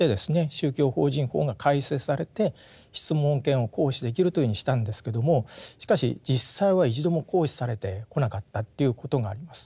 宗教法人法が改正されて質問権を行使できるというふうにしたんですけどもしかし実際は一度も行使されてこなかったということがあります。